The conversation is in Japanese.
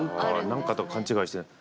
何かと勘違いしてる。